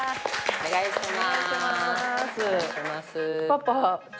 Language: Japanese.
お願いします。